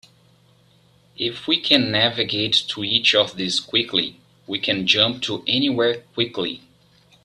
If we can navigate to each of these quickly, we can jump to anywhere quickly.